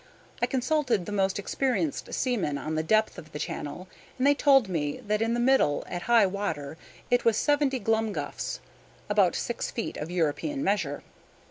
I consulted the most experienced seamen on the depth of the channel, and they told me that in the middle, at high water, it was seventy glumguffs (about six feet of European measure).